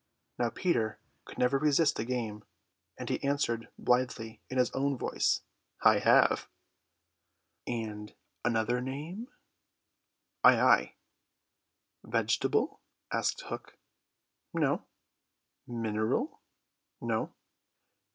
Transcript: Now Peter could never resist a game, and he answered blithely in his own voice, "I have." "And another name?" "Ay, ay." "Vegetable?" asked Hook. "No." "Mineral?" "No."